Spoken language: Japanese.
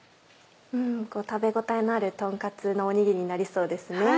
食べ応えのあるとんカツのおにぎりになりそうですね。